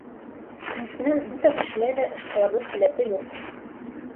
Икенсенән, бөтә кешелә лә эшҡыуарлыҡ һәләте юҡ.